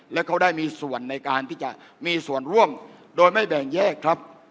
และเขาได้มีส่วนในการที่จะมีส่วนร่วมโดยไม่แบ่งแยกครับ